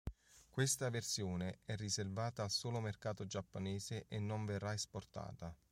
Questa versione è riservata al solo mercato giapponese e non verrà esportata.